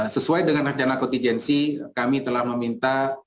sesuai dengan rencana kontingensi kami telah meminta